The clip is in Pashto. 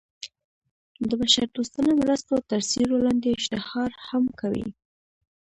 د بشر دوستانه مرستو تر سیورې لاندې اشتهار هم کوي.